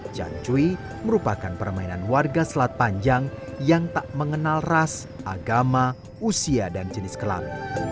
jancuy merupakan permainan warga selat panjang yang tak mengenal ras agama usia dan jenis kelam